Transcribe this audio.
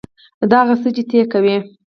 دا هغه څه دي چې ته یې کوې